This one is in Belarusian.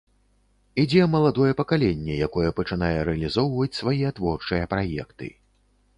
Ідзе маладое пакаленне, якое пачынае рэалізоўваць свае творчыя праекты.